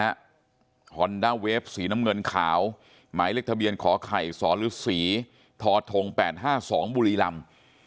ฮอนด้าเวฟสีน้ำเงินขาวหมายเลขทะเบียนขอไข่สรศรีทธ๘๕๒บุรีลำ